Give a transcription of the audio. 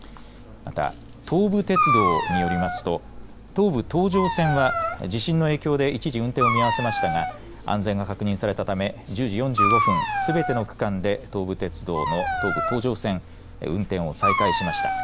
また東武鉄道によりますと東武東上線は、地震の影響で一時、運転を見合わせましたが安全が確認されたため１０時４５分、すべての区間で東武鉄道の東武東上線運転を再開しました。